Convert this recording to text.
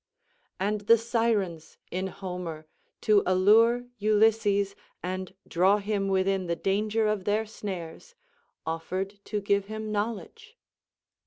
And the sirens, in Homer, to allure Ulysses, and draw him within the danger of their snares, offered to give him knowledge.